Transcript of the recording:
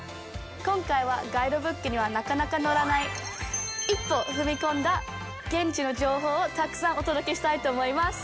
今回は、ガイドブックにはなかなか載らない一歩踏み込んだ現地の情報をたくさんお届けしたいと思います。